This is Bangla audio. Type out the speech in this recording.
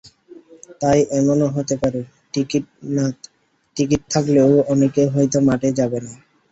তাই এমনও হতে পারে, টিকিট থাকলেও অনেকে হয়তো মাঠে যাবেন না।